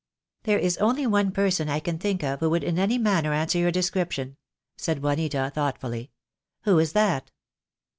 "There is only one person I can think of who would in any manner answer your description," said Juanita, thoughtfully. "Who is that?"